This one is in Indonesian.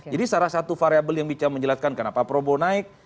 jadi salah satu variable yang bisa menjelaskan kenapa prabowo naik